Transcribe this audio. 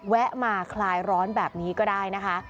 แวะมาคลายร้อนแบบนี้ก็ได้นะคะ